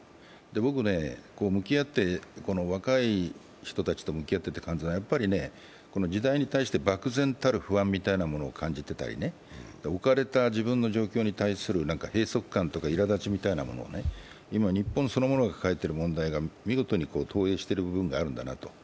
僕、向き合って、若い人たちと向き合っていて感じるのは時代に対して漠然たる不安みたいなものを感じてたり、浮かれた自分の状況に対する閉塞感とかいらだちみたいなもの、今日本がそのまま抱えている問題を見事に投影している部分があるんだなと。